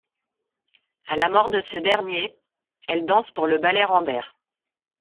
À la mort de ce dernier, elle danse pour le Ballet Rambert.